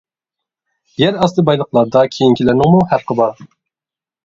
يەر ئاستى بايلىقلاردا كېيىنكىلەرنىڭمۇ ھەققى بار.